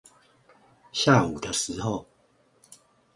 下午的時候